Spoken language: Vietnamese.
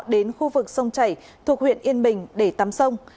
đến khu vực sông chảy thuộc huyện yên bình để tắm sông